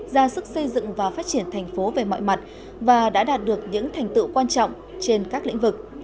ra sức xây dựng và phát triển thành phố về mọi mặt và đã đạt được những thành tựu quan trọng trên các lĩnh vực